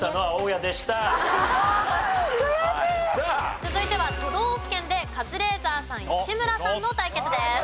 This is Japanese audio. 続いては都道府県でカズレーザーさん吉村さんの対決です。